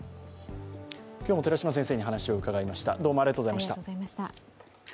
今日も寺嶋先生に話を伺いました。